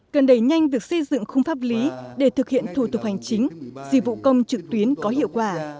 cần đẩy nhanh việc xây dựng khung pháp lý để thực hiện thủ tục hành chính dịch vụ công trực tuyến có hiệu quả